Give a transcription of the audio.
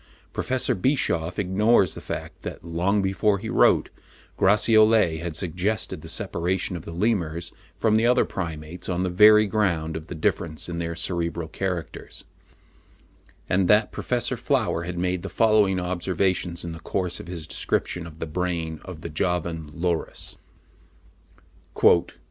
Professor Bischoff ignores the fact that long before he wrote, Gratiolet had suggested the separation of the Lemurs from the other Primates on the very ground of the difference in their cerebral characters; and that Professor Flower had made the following observations in the course of his description of the brain of the Javan Loris: (75. 'Transactions of the Zoological Society,' vol. v. 1862.)